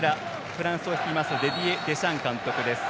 フランスを率いるディディエ・デシャン監督です。